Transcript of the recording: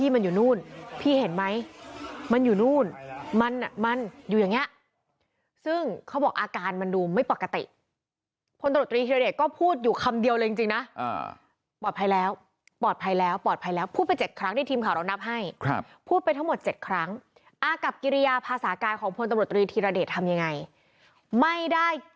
มันอยู่นู้นมันมันอยู่อย่างเงี้ยซึ่งเขาบอกอาการมันดูไม่ปกติพลตรวจรีธีระเด็ดก็พูดอยู่คำเดียวเลยจริงจริงนะอ่าปลอดภัยแล้วปลอดภัยแล้วปลอดภัยแล้วพูดไปเจ็ดครั้งที่ทีมข่าวเรานับให้ครับพูดไปทั้งหมดเจ็ดครั้งอากับกิริยาภาษาการของพลตรวจรีธีระเด็ดทำยังไง